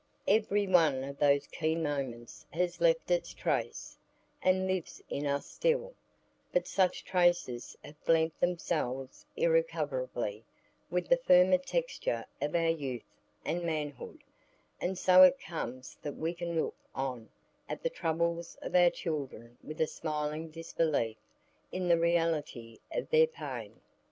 Every one of those keen moments has left its trace, and lives in us still, but such traces have blent themselves irrecoverably with the firmer texture of our youth and manhood; and so it comes that we can look on at the troubles of our children with a smiling disbelief in the reality of their pain.